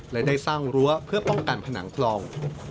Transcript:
และได้สร้างรั้วเพื่อป้องกันผนังคลอง